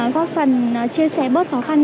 góp phần chia sẻ bớt khó khăn